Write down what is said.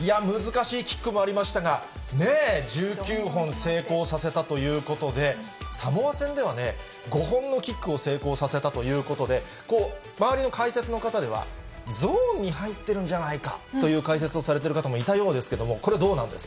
難しいキックもありましたが、ね、１９本成功させたということで、サモア戦ではね、５本のキックを成功させたということで、周りの解説の方では、ゾーンに入ってるんじゃないかという解説をされている方もいたようですけども、これはどうなんですか。